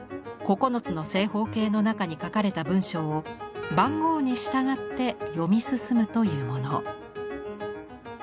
９つの正方形の中に書かれた文章を番号に従って読み進むというもの。